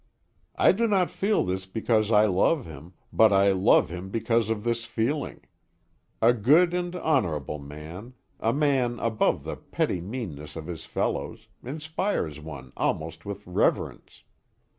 I do not feel this because I love him, but I love him because of this feeling. A good and honorable man a man above the petty meanness of his fellows inspires one almost with reverence.